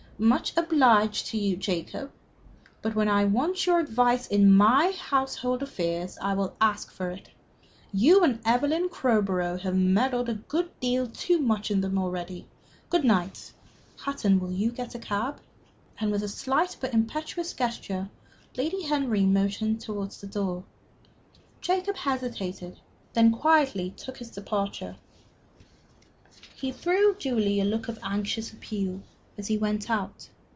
"Much obliged to you, Jacob. But when I want your advice in my household affairs, I will ask it. You and Evelyn Crowborough have meddled a good deal too much in them already. Good night. Hutton will get you a cab." And with a slight but imperious gesture, Lady Henry motioned towards the door. Jacob hesitated, then quietly took his departure. He threw Julie a look of anxious appeal as he went out.